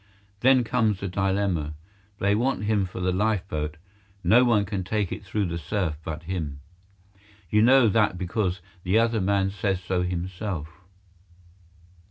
Then comes the dilemma. They want him for the lifeboat; no one can take it through the surf but him. You know that because the other man says so himself.